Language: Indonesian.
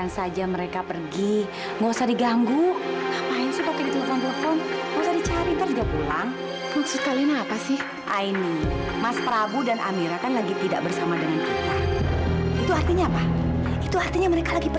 sampai jumpa di video selanjutnya